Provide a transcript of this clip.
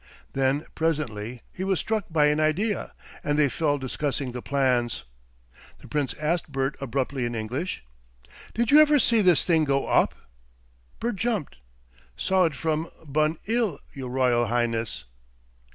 Then presently he was struck by an idea, and they fell discussing the plans. The Prince asked Bert abruptly in English. "Did you ever see this thing go op?" Bert jumped. "Saw it from Bun 'Ill, your Royal Highness."